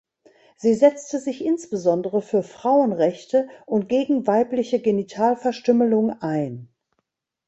Sie setzte sich insbesondere für Frauenrechte und gegen weibliche Genitalverstümmelung ein.